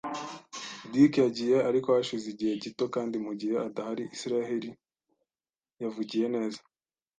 Dick yagiye ariko hashize igihe gito, kandi mugihe adahari Isiraheli yavugiye neza